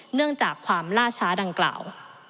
เนื่องจากความล่าช้าดังกล่าว